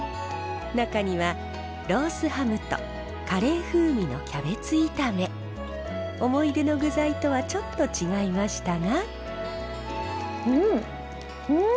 中にはロースハムとカレー風味のキャベツ炒め思い出の具材とはちょっと違いましたが。